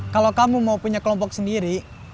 kalau kamu mau punya kelompok sendiri